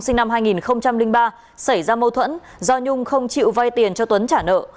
sinh năm hai nghìn ba xảy ra mâu thuẫn do nhung không chịu vay tiền cho tuấn trả nợ